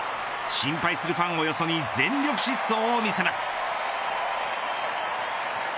心配するファンをよそに全力疾走を見せます。